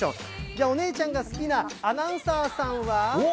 じゃあ、お姉ちゃんが好きなアナウンサーさんは？